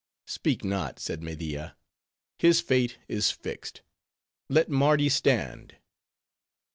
"Speak not," said Media. "His fate is fixed. Let Mardi stand."